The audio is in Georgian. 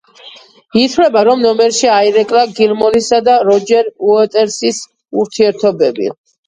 ითვლება, რომ ნომერში აირეკლა გილმორისა და როჯერ უოტერსის ურთიერთობები.